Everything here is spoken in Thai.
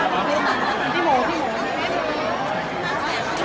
บอกตัวเองด้วยให้